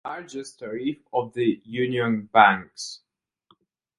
It is the largest reef of the Union Banks.